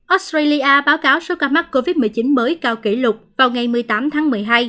australia báo cáo số ca mắc covid một mươi chín mới cao kỷ lục vào ngày một mươi tám tháng một mươi hai